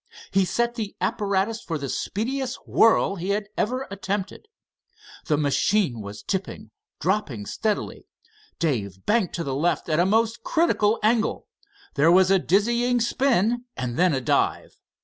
He set the apparatus for the speediest whirl he had ever attempted. The machine was tipping, dropping steadily. Dave banked to the left at a most critical angle. There was a dizzying spin and then a dive.